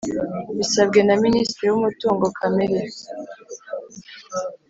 Bisabwe na Minisitiri w Umutungo Kamere